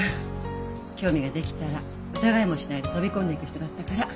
興味ができたら疑いもしないで飛び込んでいく人だったから。